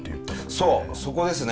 そうそこですね。